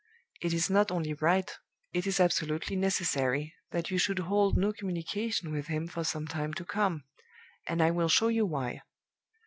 It is not only right, it is absolutely necessary, that you should hold no communication with him for some time to come; and I will show you why.